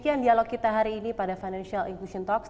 itu adalah kita hari ini pada financial inclusion talks